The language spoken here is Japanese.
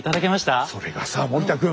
それがさ森田君！